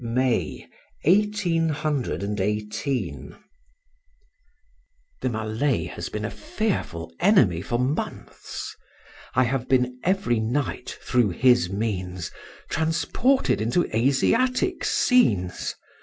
May, 1818 The Malay has been a fearful enemy for months. I have been every night, through his means, transported into Asiatic scenes.